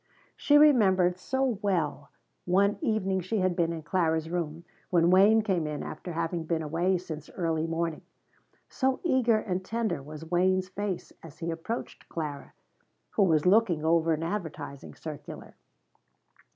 She remembered so well one evening she had been in Clara's room when Wayne came in after having been away since early morning. So eager and tender was Wayne's face as he approached Clara, who was looking over an advertising circular.